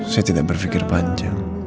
saya tidak berpikir panjang